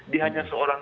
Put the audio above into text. dia hanya seorang